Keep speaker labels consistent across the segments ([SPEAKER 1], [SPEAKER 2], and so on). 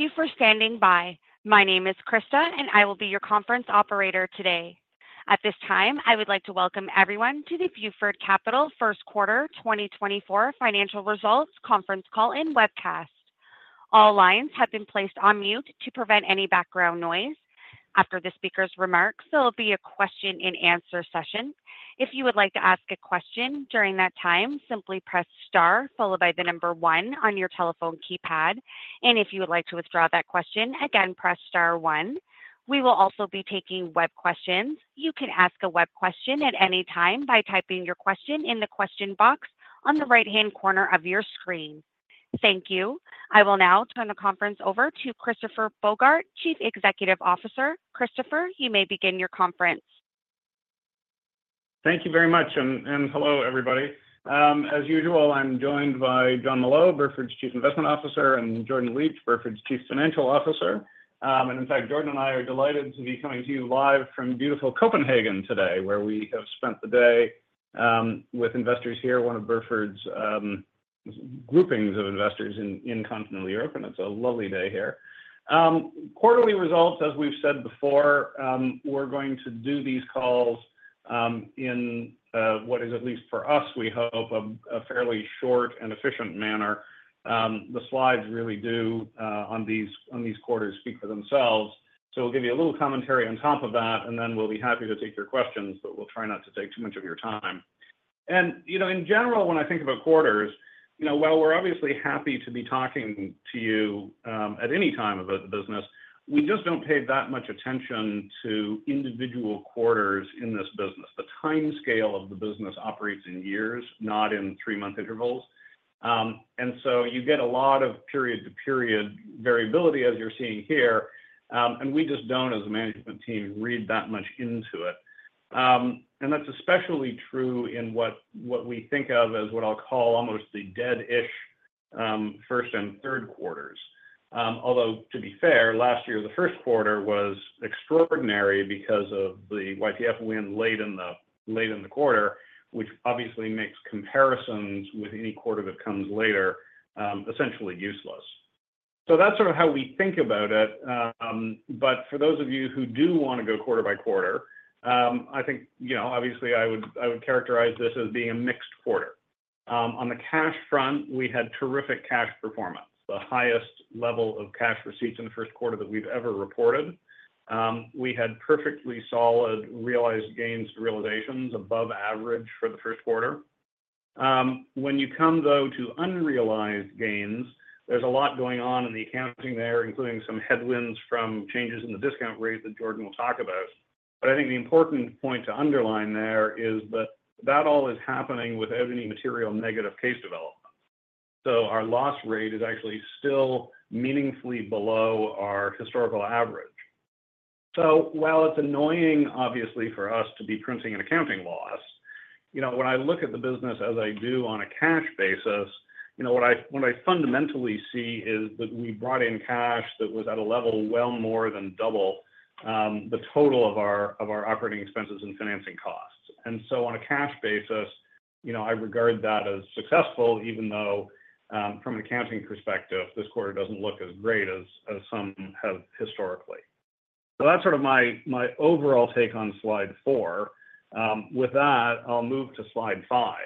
[SPEAKER 1] Thank you for standing by. My name is Krista, and I will be your conference operator today. At this time, I would like to welcome everyone to the Burford Capital First Quarter 2024 Financial Results Conference Call-in webcast. All lines have been placed on mute to prevent any background noise. After the speaker's remarks, there will be a question-and-answer session. If you would like to ask a question during that time, simply press star followed by the number one on your telephone keypad, and if you would like to withdraw that question, again press star one. We will also be taking web questions. You can ask a web question at any time by typing your question in the question box on the right-hand corner of your screen. Thank you. I will now turn the conference over to Christopher Bogart, Chief Executive Officer. Christopher, you may begin your conference.
[SPEAKER 2] Thank you very much. And hello, everybody. As usual, I'm joined by Jonathan Molot, Burford's Chief Investment Officer, and Jordan Licht, Burford's Chief Financial Officer. And in fact, Jordan and I are delighted to be coming to you live from beautiful Copenhagen today, where we have spent the day with investors here, one of Burford's groupings of investors in continental Europe, and it's a lovely day here. Quarterly results, as we've said before, we're going to do these calls in what is at least for us, we hope, a fairly short and efficient manner. The slides really do, on these quarters, speak for themselves. So we'll give you a little commentary on top of that, and then we'll be happy to take your questions, but we'll try not to take too much of your time. You know, in general, when I think about quarters, you know, while we're obviously happy to be talking to you at any time about the business, we just don't pay that much attention to individual quarters in this business. The timescale of the business operates in years, not in three-month intervals. And so you get a lot of period-to-period variability, as you're seeing here, and we just don't, as a management team, read that much into it. And that's especially true in what we think of as what I'll call almost the [dead] first and third quarters. Although, to be fair, last year the first quarter was extraordinary because of the YPF win late in the quarter, which obviously makes comparisons with any quarter that comes later essentially useless. So that's sort of how we think about it. But for those of you who do wanna go quarter by quarter, I think, you know, obviously, I would I would characterize this as being a mixed quarter. On the cash front, we had terrific cash performance, the highest level of cash receipts in the first quarter that we've ever reported. We had perfectly solid realized gains, realizations, above average for the first quarter. When you come, though, to unrealized gains, there's a lot going on in the accounting there, including some headwinds from changes in the discount rate that Jordan will talk about. But I think the important point to underline there is that that all is happening without any material negative case development. So our loss rate is actually still meaningfully below our historical average. So while it's annoying, obviously, for us to be printing an accounting loss, you know, when I look at the business as I do on a cash basis, you know, what I what I fundamentally see is that we brought in cash that was at a level well more than double the total of our of our operating expenses and financing costs. And so on a cash basis, you know, I regard that as successful, even though, from an accounting perspective, this quarter doesn't look as great as some have historically. So that's sort of my, my overall take on slide 4. With that, I'll move to slide 5.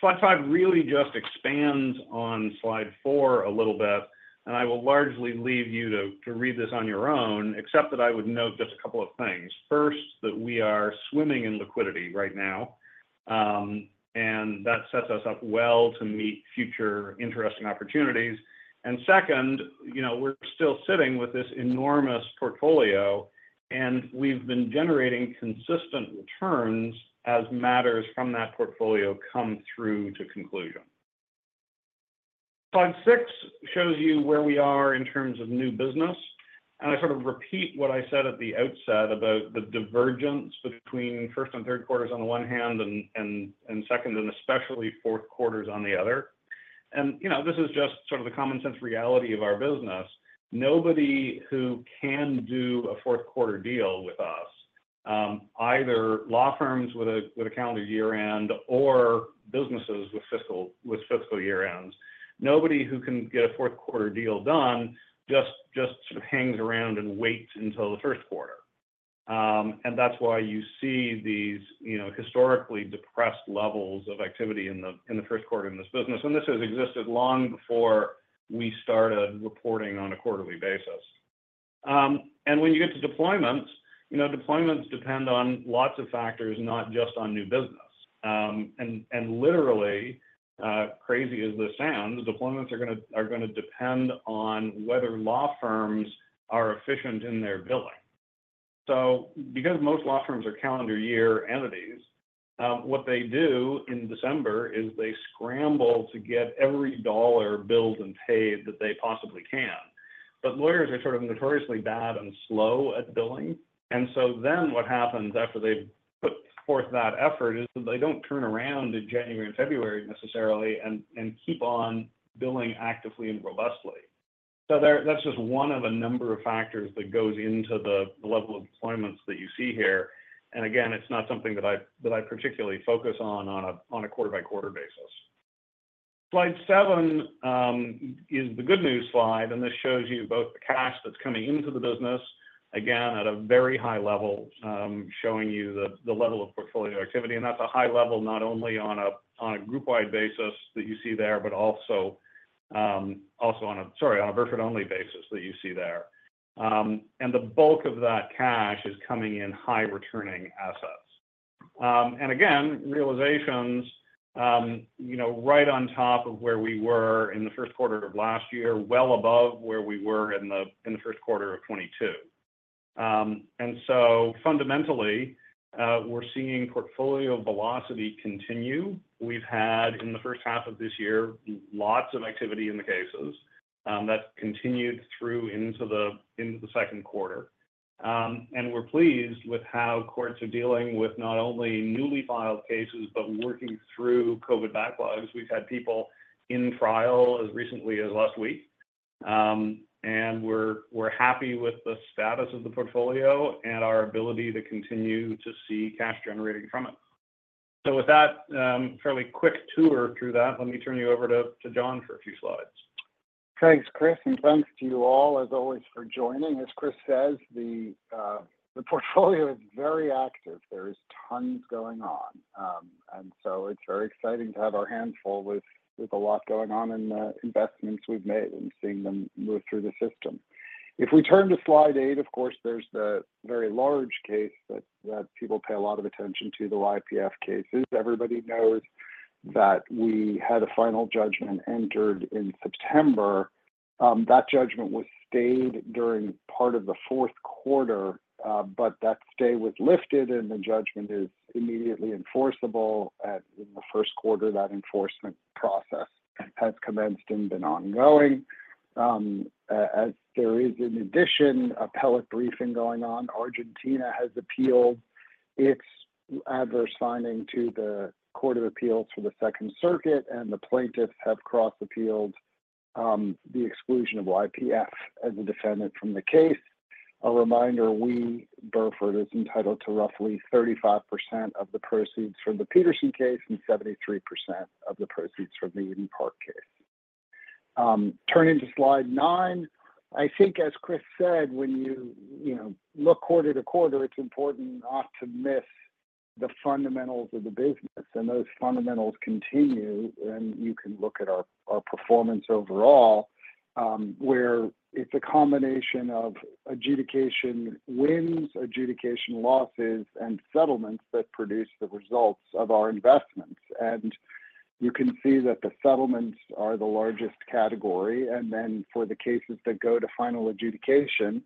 [SPEAKER 2] Slide 5 really just expands on slide 4 a little bit, and I will largely leave you to read this on your own, except that I would note just a couple of things. First, that we are swimming in liquidity right now, and that sets us up well to meet future interesting opportunities. And second, you know, we're still sitting with this enormous portfolio, and we've been generating consistent returns as matters from that portfolio come through to conclusion. Slide 6 shows you where we are in terms of new business. And I sort of repeat what I said at the outset about the divergence between first and third quarters on the one hand and second, and especially fourth quarters on the other. And, you know, this is just sort of the common-sense reality of our business. Nobody who can do a fourth-quarter deal with us, either law firms with a calendar year-end or businesses with fiscal year-ends, nobody who can get a fourth-quarter deal done just sort of hangs around and waits until the first quarter. And that's why you see these, you know, historically depressed levels of activity in the first quarter in this business. And this has existed long before we started reporting on a quarterly basis. When you get to deployments, you know, deployments depend on lots of factors, not just on new business. And literally, crazy as this sounds, deployments are gonna depend on whether law firms are efficient in their billing. So because most law firms are calendar year entities, what they do in December is they scramble to get every dollar billed and paid that they possibly can. But lawyers are sort of notoriously bad and slow at billing. And so then what happens after they've put forth that effort is that they don't turn around in January and February necessarily and keep on billing actively and robustly. So there, that's just one of a number of factors that goes into the level of deployments that you see here. And again, it's not something that I particularly focus on, on a quarter-by-quarter basis. Slide 7 is the good news slide, and this shows you both the cash that's coming into the business, again, at a very high level, showing you the level of portfolio activity. And that's a high level not only on a group-wide basis that you see there, but also, sorry, on a Burford-only basis that you see there. The bulk of that cash is coming in high-returning assets. And again, realizations, you know, right on top of where we were in the first quarter of last year, well above where we were in the first quarter of 2022. So fundamentally, we're seeing portfolio velocity continue. We've had, in the first half of this year, lots of activity in the cases. That's continued through into the second quarter. And we're pleased with how courts are dealing with not only newly filed cases but working through COVID backlogs. We've had people in trial as recently as last week. And we're happy with the status of the portfolio and our ability to continue to see cash generating from it. So with that, fairly quick tour through that, let me turn you over to Jon for a few slides.
[SPEAKER 3] Thanks, Chris, and thanks to you all, as always, for joining. As Chris says, the portfolio is very active. There is tons going on. So it's very exciting to have our handful with a lot going on in the investments we've made and seeing them move through the system. If we turn to slide 8, of course, there's the very large case that people pay a lot of attention to, the YPF cases. Everybody knows that we had a final judgment entered in September. That judgment was stayed during part of the fourth quarter, but that stay was lifted, and the judgment is immediately enforceable as in the first quarter. That enforcement process has commenced and been ongoing. As there is, in addition, appellate briefing going on. Argentina has appealed its adverse finding to the Court of Appeals for the Second Circuit, and the plaintiffs have cross-appealed the exclusion of YPF as a defendant from the case. A reminder, we, Burford, is entitled to roughly 35% of the proceeds from the Petersen case and 73% of the proceeds from the Eton Park case. Turning to slide 9, I think, as Chris said, when you, you know, look quarter-to-quarter, it's important not to miss the fundamentals of the business. And those fundamentals continue, and you can look at our, our performance overall, where it's a combination of adjudication wins, adjudication losses, and settlements that produce the results of our investments. And you can see that the settlements are the largest category. And then for the cases that go to final adjudication,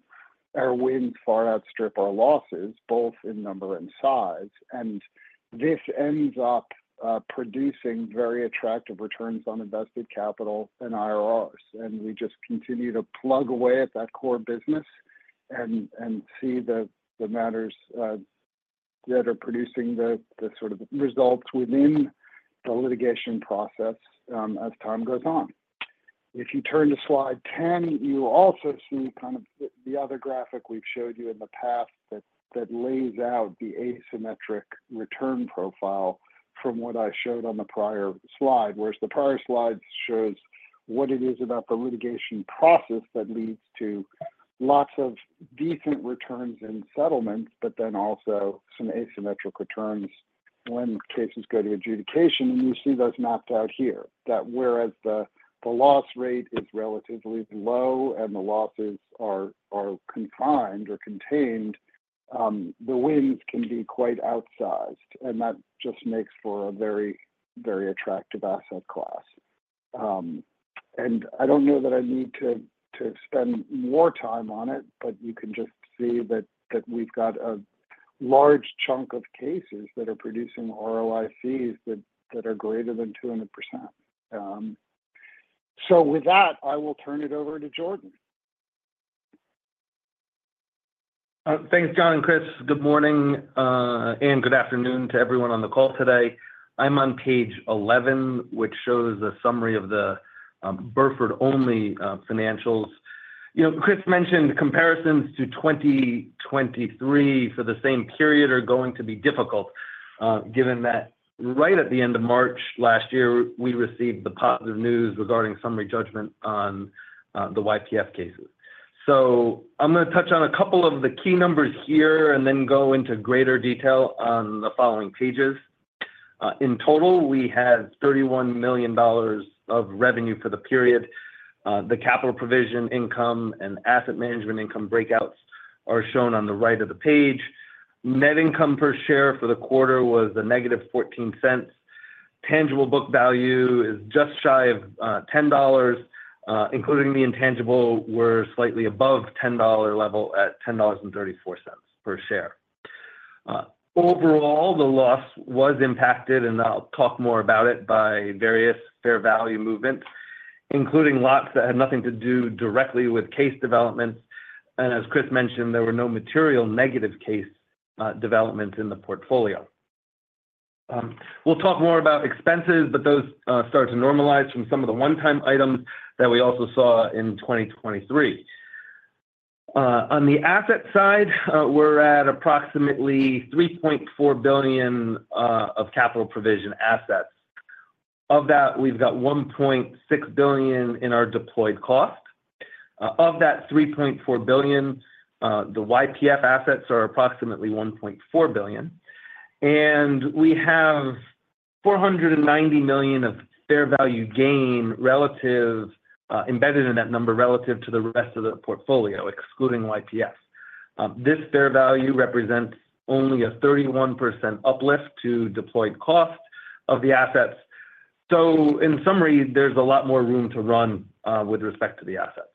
[SPEAKER 3] our wins far outstrip our losses, both in number and size. This ends up producing very attractive returns on invested capital and IRRs. We just continue to plug away at that core business and see the matters that are producing the sort of results within the litigation process, as time goes on. If you turn to slide 10, you also see kind of the other graphic we've showed you in the past that lays out the asymmetric return profile from what I showed on the prior slide, whereas the prior slide shows what it is about the litigation process that leads to lots of decent returns in settlements but then also some asymmetric returns when cases go to adjudication. You see those mapped out here, that whereas the loss rate is relatively low and the losses are confined or contained, the wins can be quite outsized. That just makes for a very, very attractive asset class. And I don't know that I need to, to spend more time on it, but you can just see that, that we've got a large chunk of cases that are producing ROI fees that, that are greater than 200%. So with that, I will turn it over to Jordan.
[SPEAKER 4] Thanks, John and Chris. Good morning, and good afternoon to everyone on the call today. I'm on page 11, which shows a summary of the Burford-only financials. You know, Chris mentioned comparisons to 2023 for the same period are going to be difficult, given that right at the end of March last year, we received the positive news regarding summary judgment on the YPF cases. So I'm gonna touch on a couple of the key numbers here and then go into greater detail on the following pages. In total, we have $31 million of revenue for the period. The Capital Provision Income and Asset Management Income breakouts are shown on the right of the page. Net income per share for the quarter was -$0.14. Tangible Book Value is just shy of $10. Including the intangible, we're slightly above $10 level at $10.34 per share. Overall, the loss was impacted, and I'll talk more about it, by various Fair Value movements, including lots that had nothing to do directly with case developments. And as Chris mentioned, there were no material negative case developments in the portfolio. We'll talk more about expenses, but those start to normalize from some of the one-time items that we also saw in 2023. On the asset side, we're at approximately $3.4 billion of Capital Provision Assets. Of that, we've got $1.6 billion in our Deployed Cost. Of that $3.4 billion, the YPF assets are approximately $1.4 billion. And we have $490 million of Fair Value gain relative embedded in that number relative to the rest of the portfolio, excluding YPF. This Fair Value represents only a 31% uplift to Deployed Cost of the assets. So in summary, there's a lot more room to run with respect to the assets.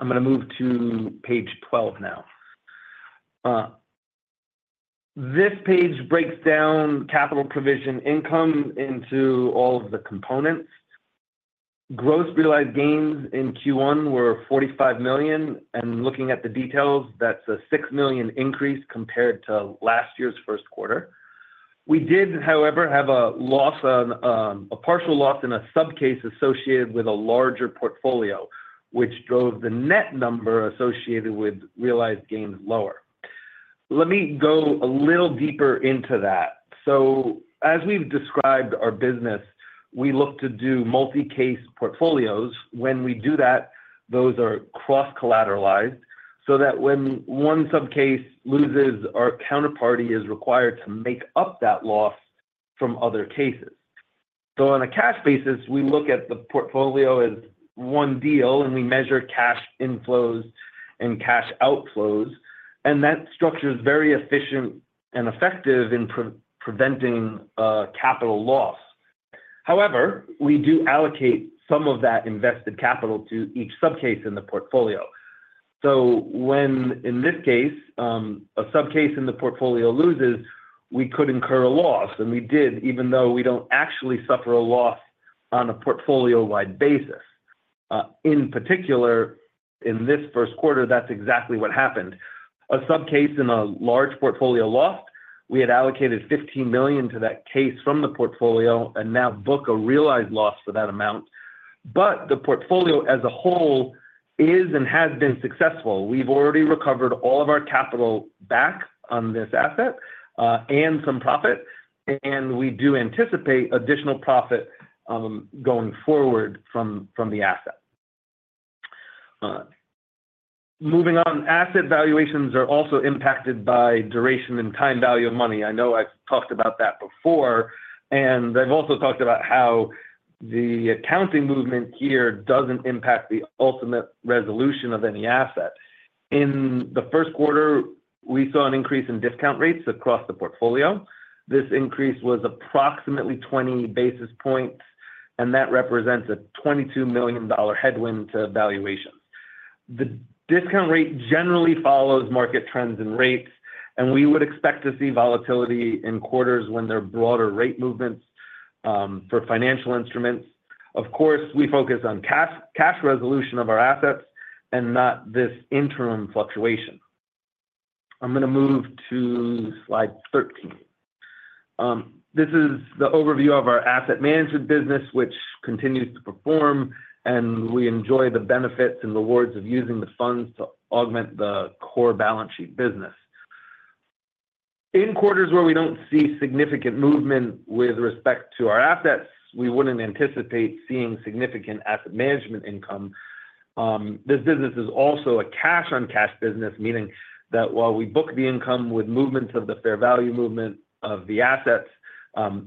[SPEAKER 4] I'm gonna move to page 12 now. This page breaks down Capital Provision Income into all of the components. Gross realized gains in Q1 were $45 million. And looking at the details, that's a $6 million increase compared to last year's first quarter. We did, however, have a loss on a partial loss in a subcase associated with a larger portfolio, which drove the net number associated with realized gains lower. Let me go a little deeper into that. So as we've described our business, we look to do multi-case portfolios. When we do that, those are cross-collateralized so that when one subcase loses, our counterparty is required to make up that loss from other cases. So on a cash basis, we look at the portfolio as one deal, and we measure cash inflows and cash outflows. And that structure is very efficient and effective in preventing capital loss. However, we do allocate some of that invested capital to each subcase in the portfolio. So when, in this case, a subcase in the portfolio loses, we could incur a loss. And we did, even though we don't actually suffer a loss on a portfolio-wide basis. In particular, in this first quarter, that's exactly what happened. A subcase in a large portfolio lost. We had allocated $15 million to that case from the portfolio and now book a realized loss for that amount. But the portfolio as a whole is and has been successful. We've already recovered all of our capital back on this asset, and some profit. And we do anticipate additional profit, going forward from the asset. Moving on, asset valuations are also impacted by duration and time value of money. I know I've talked about that before. I've also talked about how the accounting movement here doesn't impact the ultimate resolution of any asset. In the first quarter, we saw an increase in discount rates across the portfolio. This increase was approximately 20 basis points, and that represents a $22 million headwind to valuations. The discount rate generally follows market trends and rates, and we would expect to see volatility in quarters when there are broader rate movements, for financial instruments. Of course, we focus on cash, cash resolution of our assets and not this interim fluctuation. I'm gonna move to slide 13. This is the overview of our asset management business, which continues to perform, and we enjoy the benefits and rewards of using the funds to augment the core balance sheet business. In quarters where we don't see significant movement with respect to our assets, we wouldn't anticipate seeing significant asset management income. This business is also a cash-on-cash business, meaning that while we book the income with movements of the fair value movement of the assets,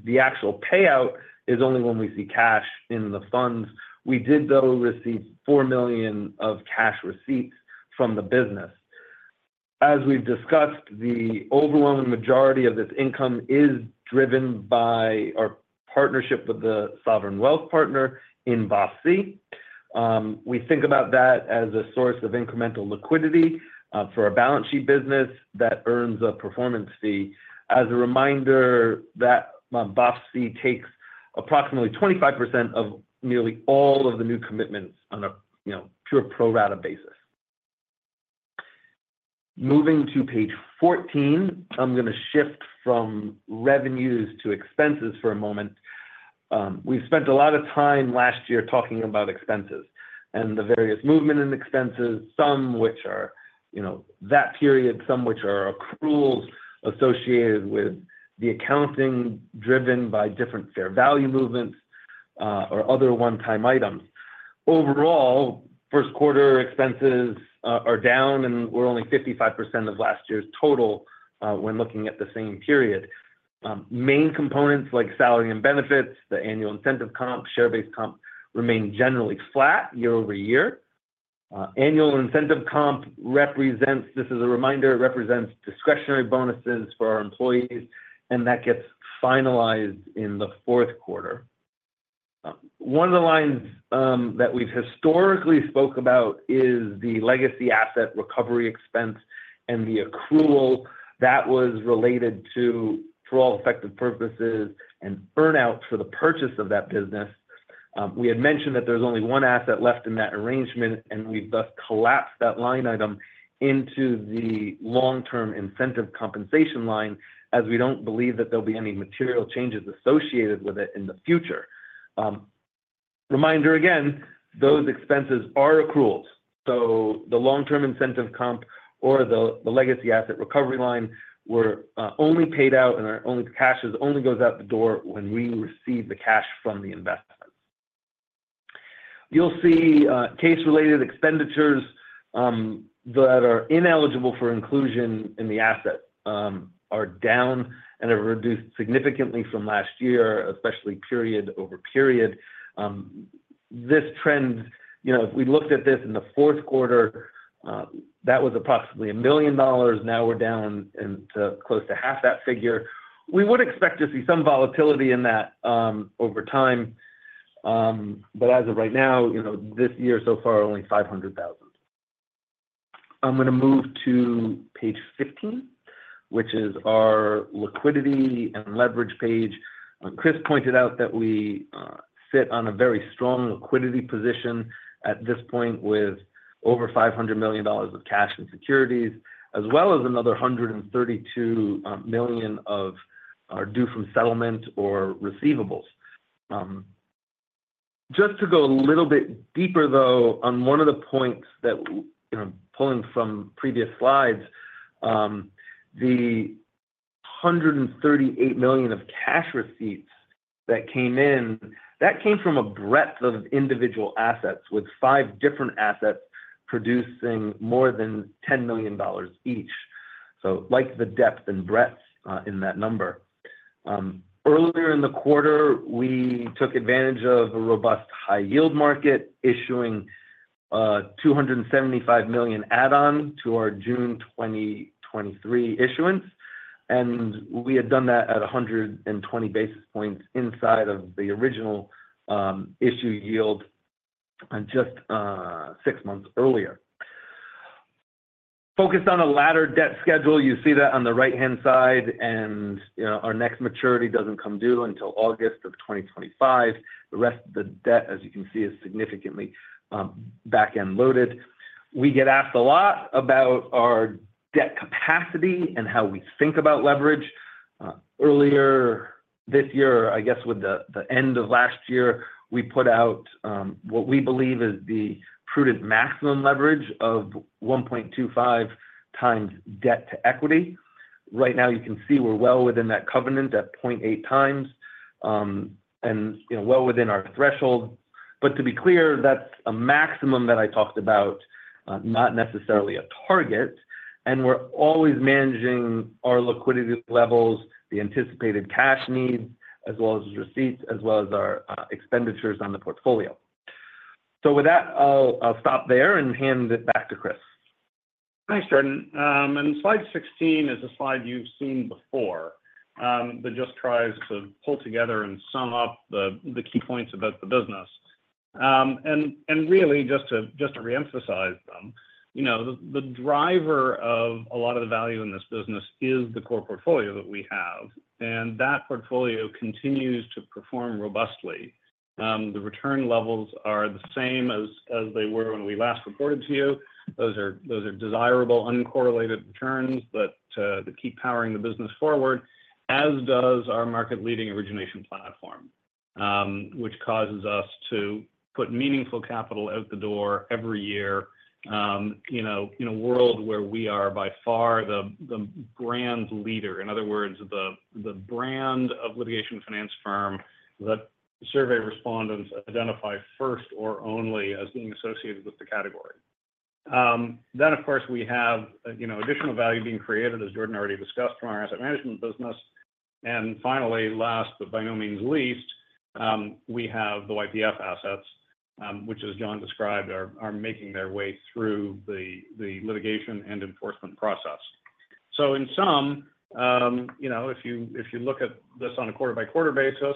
[SPEAKER 4] the actual payout is only when we see cash in the funds. We did, though, receive $4 million of cash receipts from the business. As we've discussed, the overwhelming majority of this income is driven by our partnership with the sovereign wealth partner in BOF-C. We think about that as a source of incremental liquidity for a balance sheet business that earns a performance fee. As a reminder, BOF-C takes approximately 25% of nearly all of the new commitments on a, you know, pure pro rata basis. Moving to page 14, I'm gonna shift from revenues to expenses for a moment. We've spent a lot of time last year talking about expenses and the various movement in expenses, some which are, you know, that period, some which are accruals associated with the accounting driven by different fair value movements, or other one-time items. Overall, first quarter expenses are down, and we're only 55% of last year's total, when looking at the same period. Main components like salary and benefits, the annual incentive comp, share-based comp remain generally flat year-over-year. Annual incentive comp represents, this is a reminder, represents discretionary bonuses for our employees, and that gets finalized in the fourth quarter. One of the lines that we've historically spoke about is the legacy asset recovery expense and the accrual that was related to, for all effective purposes, an earnout for the purchase of that business. We had mentioned that there's only one asset left in that arrangement, and we've thus collapsed that line item into the long-term incentive compensation line as we don't believe that there'll be any material changes associated with it in the future. Reminder again, those expenses are accruals. So the long-term incentive comp or the, the legacy asset recovery line were only paid out and are only cash is only goes out the door when we receive the cash from the investment. You'll see, case-related expenditures, that are ineligible for inclusion in the asset, are down and have reduced significantly from last year, especially period over period. This trend, you know, if we looked at this in the fourth quarter, that was approximately $1 million. Now we're down into close to half that figure. We would expect to see some volatility in that, over time. But as of right now, you know, this year so far, only 500,000. I'm gonna move to page 15, which is our liquidity and leverage page. Chris pointed out that we sit on a very strong liquidity position at this point with over $500 million of cash and securities as well as another $132 million of due from settlement or receivables. Just to go a little bit deeper, though, on one of the points that, you know, pulling from previous slides, the $138 million of cash receipts that came in, that came from a breadth of individual assets with five different assets producing more than $10 million each. So like the depth and breadth in that number. Earlier in the quarter, we took advantage of a robust high-yield market issuing $275 million add-on to our June 2023 issuance. We had done that at 120 basis points inside of the original issue yield, just 6 months earlier. Focused on a laddered debt schedule, you see that on the right-hand side. You know, our next maturity doesn't come due until August 2025. The rest of the debt, as you can see, is significantly back-end-loaded. We get asked a lot about our debt capacity and how we think about leverage. Earlier this year, I guess with the end of last year, we put out what we believe is the prudent maximum leverage of 1.25x debt to equity. Right now, you can see we're well within that covenant at 0.8x, and you know, well within our threshold. But to be clear, that's a maximum that I talked about, not necessarily a target. We're always managing our liquidity levels, the anticipated cash needs as well as receipts, as well as our, expenditures on the portfolio. So with that, I'll, I'll stop there and hand it back to Chris.
[SPEAKER 2] Thanks, Jordan. And slide 16 is a slide you've seen before, that just tries to pull together and sum up the, the key points about the business. And, and really, just to just to reemphasize them, you know, the, the driver of a lot of the value in this business is the core portfolio that we have. And that portfolio continues to perform robustly. The return levels are the same as, as they were when we last reported to you. Those are those are desirable uncorrelated returns that, that keep powering the business forward, as does our market-leading origination platform, which causes us to put meaningful capital out the door every year, you know, in a world where we are by far the, the brand leader. In other words, the, the brand of litigation finance firm that survey respondents identify first or only as being associated with the category. Then, of course, we have, you know, additional value being created, as Jordan already discussed, from our asset management business. And finally, last but by no means least, we have the YPF assets, which, as John described, are making their way through the litigation and enforcement process. So in sum, you know, if you look at this on a quarter-by-quarter basis,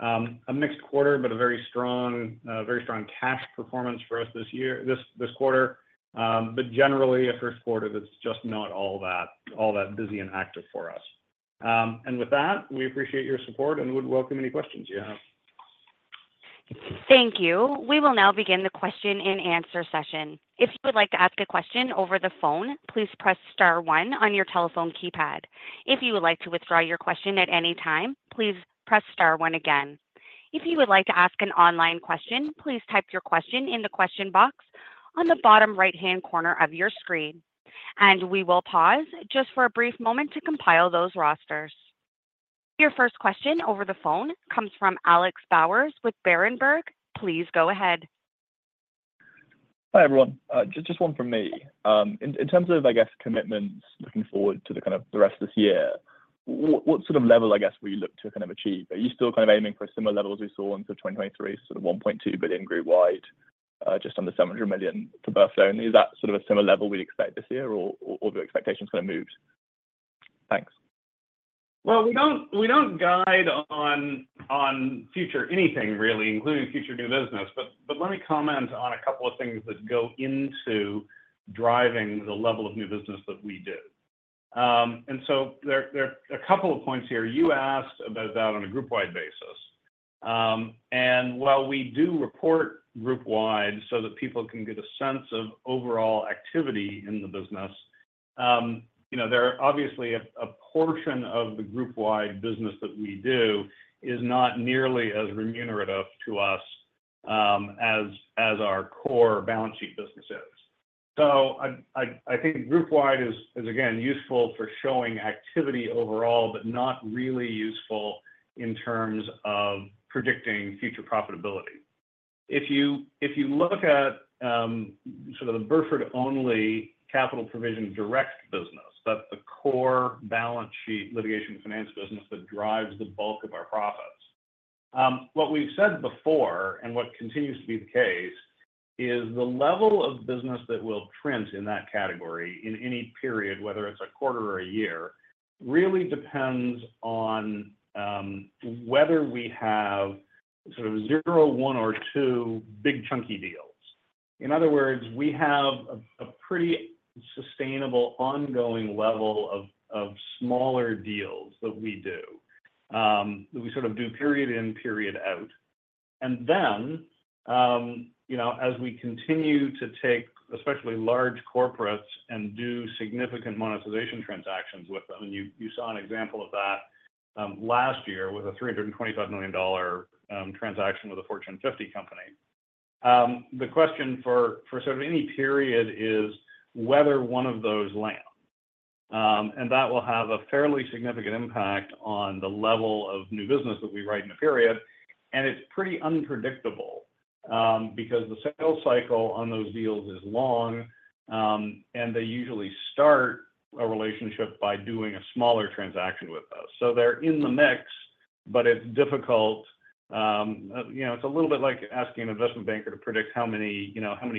[SPEAKER 2] a mixed quarter but a very strong, very strong cash performance for us this year, this quarter. But generally, a first quarter that's just not all that busy and active for us. And with that, we appreciate your support and would welcome any questions you have.
[SPEAKER 1] Thank you. We will now begin the question-and-answer session. If you would like to ask a question over the phone, please press star 1 on your telephone keypad. If you would like to withdraw your question at any time, please press star 1 again. If you would like to ask an online question, please type your question in the question box on the bottom right-hand corner of your screen. We will pause just for a brief moment to compile those rosters. Your first question over the phone comes from Alex Bowers with Berenberg. Please go ahead.
[SPEAKER 5] Hi, everyone. Just one from me. In terms of, I guess, commitments looking forward to the kind of the rest of this year, what sort of level, I guess, will you look to kind of achieve? Are you still kind of aiming for a similar level as we saw in, say, 2023, sort of $1.2 billion group-wide, just under $700 million for Burford only? Is that sort of a similar level we'd expect this year, or have your expectations kind of moved? Thanks.
[SPEAKER 2] Well, we don't guide on future anything really, including future new business. But let me comment on a couple of things that go into driving the level of new business that we do. So there are a couple of points here. You asked about that on a group-wide basis. While we do report group-wide so that people can get a sense of overall activity in the business, you know, there are obviously a portion of the group-wide business that we do is not nearly as remunerative to us, as our core balance sheet business is. So I think group-wide is, again, useful for showing activity overall but not really useful in terms of predicting future profitability. If you look at, sort of, the Burford-only capital provision direct business, that's the core balance sheet litigation finance business that drives the bulk of our profits. What we've said before and what continues to be the case is the level of business that will print in that category in any period, whether it's a quarter or a year, really depends on whether we have sort of zero, one, or two big chunky deals. In other words, we have a pretty sustainable ongoing level of smaller deals that we do, that we sort of do period in, period out. And then, you know, as we continue to take especially large corporates and do significant monetization transactions with them and you, you saw an example of that, last year with a $325 million transaction with a Fortune 50 company, the question for, for sort of any period is whether one of those lands, and that will have a fairly significant impact on the level of new business that we write in a period. And it's pretty unpredictable, because the sales cycle on those deals is long, and they usually start a relationship by doing a smaller transaction with us. So they're in the mix, but it's difficult. You know, it's a little bit like asking an investment banker to predict how many, you know, how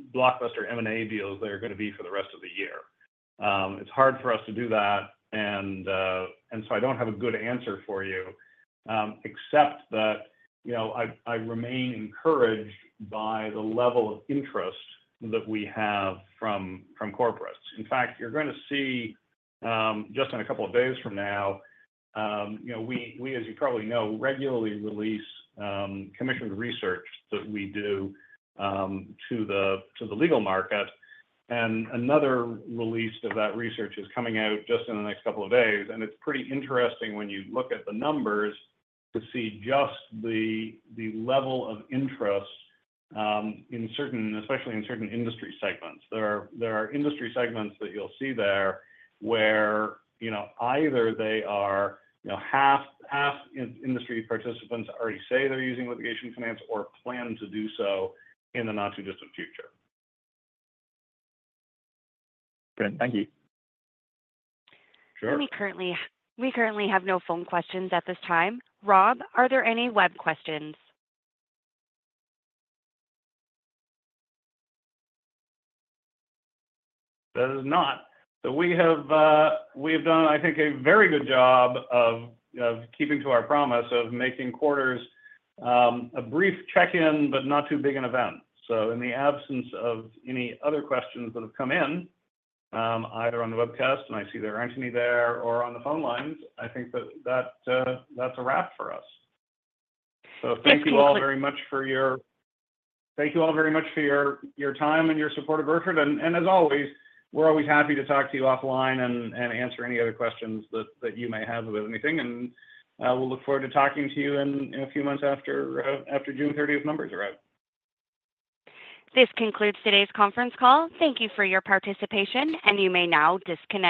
[SPEAKER 2] many blockbuster M&A deals there are gonna be for the rest of the year. It's hard for us to do that. And so I don't have a good answer for you, except that, you know, I remain encouraged by the level of interest that we have from corporates. In fact, you're gonna see, just in a couple of days from now, you know, we, as you probably know, regularly release commissioned research that we do to the legal market. Another release of that research is coming out just in the next couple of days. It's pretty interesting when you look at the numbers to see just the level of interest in certain, especially in certain industry segments. There are industry segments that you'll see there where, you know, either they are, you know, half in-industry participants already say they're using litigation finance or plan to do so in the not-too-distant future.
[SPEAKER 5] Great. Thank you.
[SPEAKER 2] Sure.
[SPEAKER 1] We currently have no phone questions at this time. Rob, are there any web questions?
[SPEAKER 2] There is not. So we have done, I think, a very good job of keeping to our promise of making quarters a brief check-in but not too big an event. So in the absence of any other questions that have come in, either on the webcast, and I see there aren't any there, or on the phone lines, I think that's a wrap for us. So thank you all very much for your time and your support at Burford. And as always, we're always happy to talk to you offline and answer any other questions that you may have about anything. And we'll look forward to talking to you in a few months after June 30th numbers are out.
[SPEAKER 1] This concludes today's conference call. Thank you for your participation. You may now disconnect.